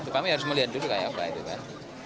kami harus melihat dulu kayak apa itu kan